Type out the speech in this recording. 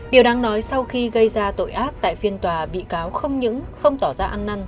điều đáng nói sau khi gây ra tội ác tại phiên tòa bị cáo không những không tỏ ra ăn năn